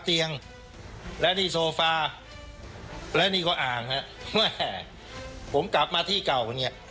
เตียงและที่โซฟาและนี่ก็อ่างฮะแม่ผมกลับมาที่เก่าเนี่ย